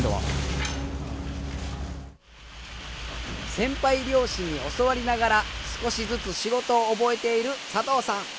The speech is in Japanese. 先輩漁師に教わりながら少しずつ仕事を覚えている佐藤さん。